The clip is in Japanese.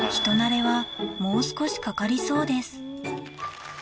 人なれはもう少しかかりそうです